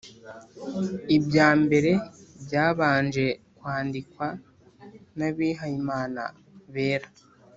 ibya mbere byabanje kwandikwa n’abihayimana bera,